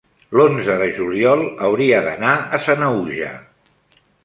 l'onze de juliol hauria d'anar a Sanaüja.